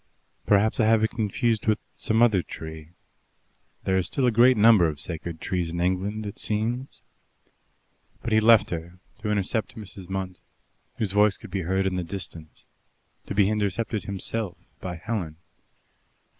"Perhaps I have confused it with some other tree. There are still a great number of sacred trees in England, it seems." But he left her to intercept Mrs. Munt, whose voice could be heard in the distance: to be intercepted himself by Helen.